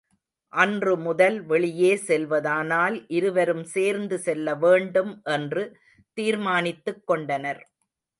அன்று முதல் வெளியே செல்வதானால் இருவரும் சேர்ந்து செல்லவேண்டும் என்று தீர்மானித்துக்கொண்டனர்.